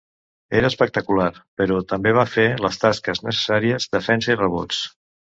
Era espectacular, però també va fer les tasques necessàries, defensa i rebots.